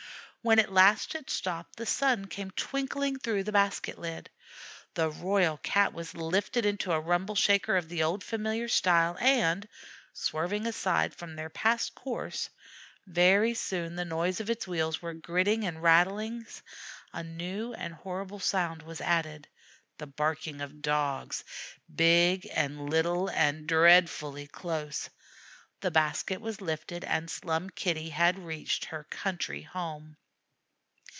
When at last it stopped, the sun came twinkling through the basket lid. The Royal Cat was lifted into a Rumble shaker of the old familiar style, and, swerving aside from their past course, very soon the noises of its wheels were grittings and rattlings; a new and horrible sound was added the barking of Dogs, big and little and dreadfully close. The basket was lifted, and Slum Kitty had reached her country home.